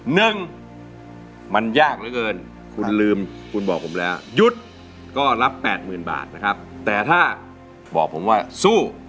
หนึ่งมันยากเยอะเกินคุณลืมคุณบอกผมแล้วหยุดก็รับ๘๐๐๐๐บาทแต่ถ้าบอกผมว่าสู้